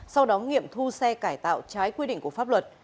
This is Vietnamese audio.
sau đó nghiệm thu xe cải tạo trái quy định của pháp luật